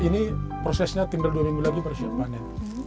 ini prosesnya tinggal dua minggu lagi pada siap panen